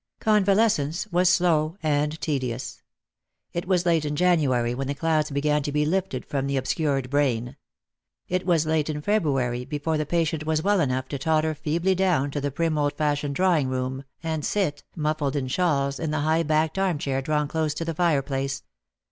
Convalescence was slow and tedious. It was late in January wheii the clouds began to be lifted from the obscured brain. It was late in February before the patient was well enough to totter feebly down to the prim old fashioned drawing room, and sit, muffled in shawls, in the high backed arm chair drawn close to the fireplace.